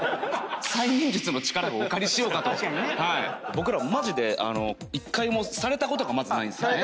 僕らマジで１回もされたことがまずないんですね。